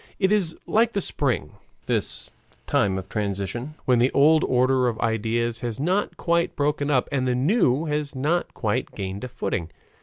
It is like the spring, this time of transition, when the old order of ideas has not quite broken up and the new has not quite gained a footing.